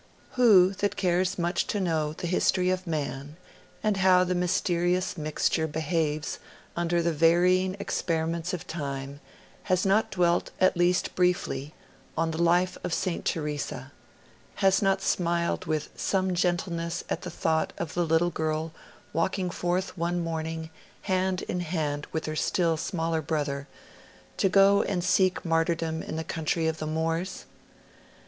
Who that cares much to know the history of man, and how the mysterious mixture behaves under the varying experiments of Time, has not dwelt, at least briefly, on the life of Saint Theresa, has not smiled with some gentleness at the thought of the little girl walking forth one morning hand in hand with her still smaller brother, to go and seek martyrdom in the country of the Moors?